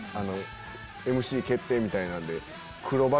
ＭＣ決定！みたいなんで。